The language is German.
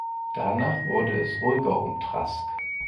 Danach wurde es ruhiger um Trask.